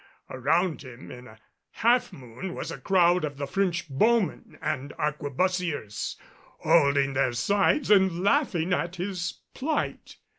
Around him in a half moon was a crowd of the French bowmen and arquebusiers holding their sides and laughing at his plight.